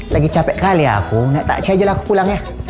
lagi capek kali aku naik taksi aja aku pulang ya